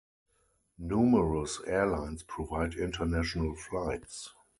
Numerous airlines provide international flights.